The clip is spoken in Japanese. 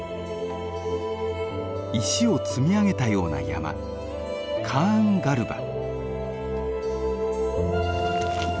石を積み上げたような山カーンガルバ。